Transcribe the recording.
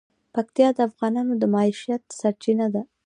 پکتیا د افغانانو د معیشت سرچینه ده.